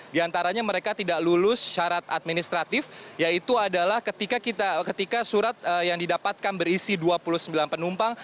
di antaranya mereka tidak lulus syarat administratif yaitu adalah ketika surat yang didapatkan berisi dua puluh sembilan penumpang